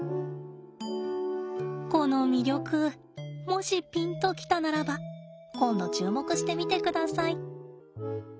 この魅力もしピンと来たならば今度注目してみてください。